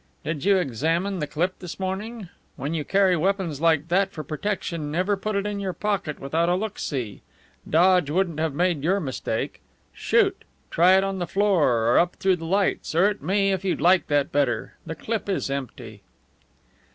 "Did you examine the clip this morning? When you carry weapons like that for protection never put it in your pocket without a look see. Dodge wouldn't have made your mistake. Shoot! Try it on the floor, or up through the lights or at me if you'd like that better. The clip is empty."